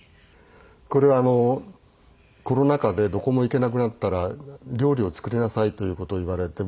これはコロナ禍でどこも行けなくなったら料理を作りなさいという事を言われて。